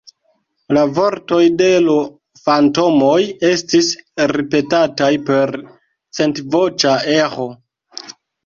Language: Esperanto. La vortoj de l' fantomoj estis ripetataj per centvoĉa eĥo.